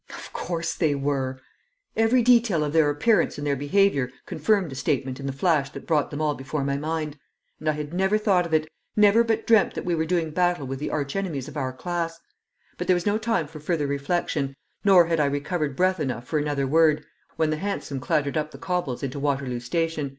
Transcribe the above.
Of course they were! Every detail of their appearance and their behaviour confirmed the statement in the flash that brought them all before my mind! And I had never thought of it, never but dreamt that we were doing battle with the archenemies of our class. But there was no time for further reflection, nor had I recovered breath enough for another word, when the hansom clattered up the cobbles into Waterloo Station.